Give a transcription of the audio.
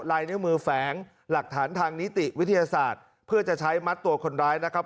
ลายนิ้วมือแฝงหลักฐานทางนิติวิทยาศาสตร์เพื่อจะใช้มัดตัวคนร้ายนะครับ